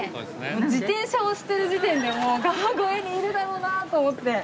自転車押してる時点で川越にいるだろうなと思って。